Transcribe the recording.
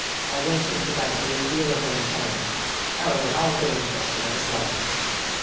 I went into that a great deal at one time. However, I'll go and fetch Ladislaw." CHAPTER XXXV.